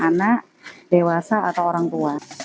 anak dewasa atau orang tua